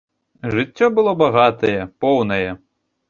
Жыццё было багатае, поўнае.